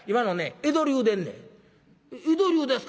「江戸流ですか？」。